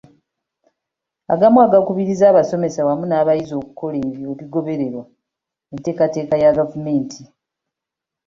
Agamu agakubiriza abasomesa wamu n’abayizi okukola ebyo ebigoberera enteekateeka ya gavumenti.